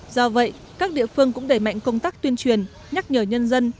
do vậy các địa phương cũng đẩy mạnh công tác tuyên truyền nhắc nhở nhân dân